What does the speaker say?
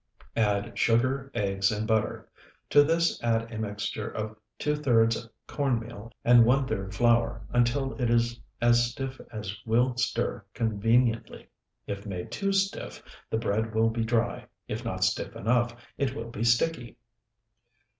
Add sugar, eggs, and butter. To this add a mixture of two thirds corn meal and one third flour until it is as stiff as will stir conveniently (if made too stiff, the bread will be dry; if not stiff enough, it will be sticky).